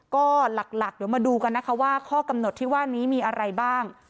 ก็หลักเดี๋ยวมาดูกันนะคะว่าข้อกำหนดที่ว่านี้มีอะไรบ้าง